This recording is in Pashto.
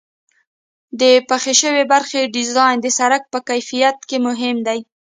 د پخې شوې برخې ډیزاین د سرک په کیفیت کې مهم دی